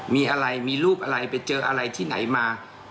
มีอะไรมีรูปอะไรไปเจออะไรที่ไหนมา